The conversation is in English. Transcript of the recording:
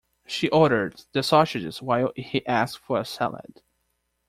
She ordered the sausages while he asked for a salad.